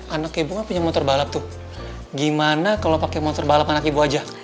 anak ibu kan punya motor balap tuh gimana kalau pakai motor balap anak ibu aja